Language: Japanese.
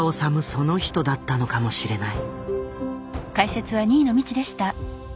その人だったのかもしれない。